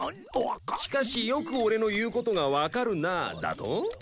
「しかしよく俺の言う事が分かるなあ」だと？